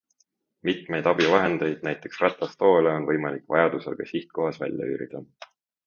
Mitmeid abivahendeid, näiteks ratastoole on võimalik vajadusel ka sihtkohas välja üürida.